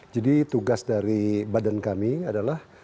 jadi tugas dari badan kami adalah